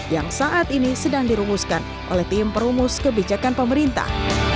yang saat ini sedang dirumuskan oleh tim perumus kebijakan pemerintah